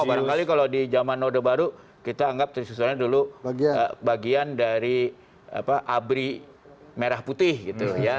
barangkali kalau di zaman node baru kita anggap tristona dulu bagian dari abri merah putih gitu ya